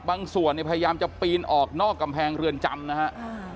ส่วนเนี่ยพยายามจะปีนออกนอกกำแพงเรือนจำนะฮะ